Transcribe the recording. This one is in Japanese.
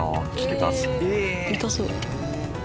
痛そう。